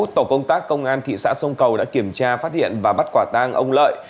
tổ công tác công an thị xã sông cầu đã kiểm tra phát hiện và bắt quả tang ông lợi